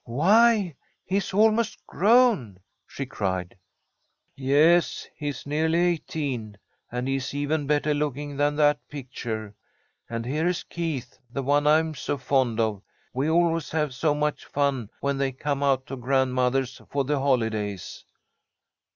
"Why, he's almost grown!" she cried. "Yes, he's nearly eighteen, and he is even better looking than that picture. And here's Keith, the one I'm so fond of. We always have so much fun when they come out to grandmother's for the holidays."